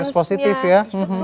terus positif ya